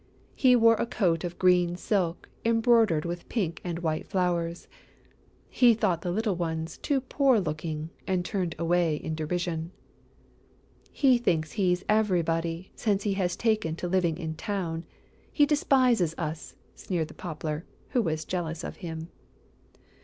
He wore a coat of green silk embroidered with pink and white flowers. He thought the little ones too poor looking and turned away in derision. "He thinks he's everybody, since he has taken to living in town! He despises us!" sneered the Poplar, who was jealous of him.